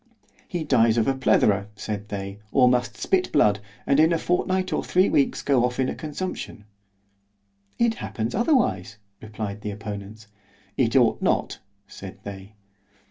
He dies of a plethora, said they—or must spit blood, and in a fortnight or three weeks go off in a consumption.—— ——It happens otherwise—replied the opponents.—— It ought not, said they.